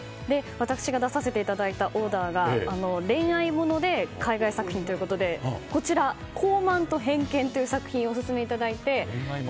私が出させていただいたオーダーが恋愛もので海外作品ということで「高慢と偏見」という作品をオススメしていただいて。